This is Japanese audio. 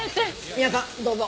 ミアさんどうぞ。